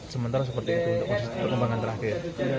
sementara seperti itu untuk perkembangan terakhir